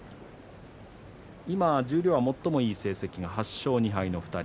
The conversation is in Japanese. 十両は最もいい成績が８勝２敗の２人。